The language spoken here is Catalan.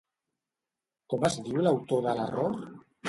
Com es diu l'autor de l'error?